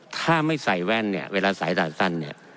ถ้าไม่ใส่แว่นเนี่ยเวลาใส่ด่านสั้นเนี่ย